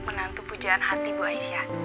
menantu pujaan hati bu aisyah